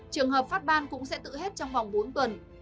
trường hợp phát ban cũng sẽ tự hết trong vòng bốn tuần